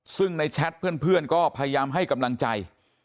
ซึ่งในแชทเพื่อนก็พยายามให้กำลังใจ